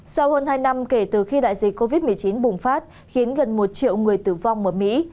sau hơn hai năm kể từ khi đại dịch covid một mươi chín bùng phát khiến gần một triệu người tử vong ở mỹ